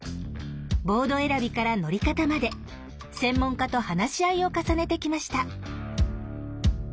ボード選びから乗り方まで専門家と話し合いを重ねてきました。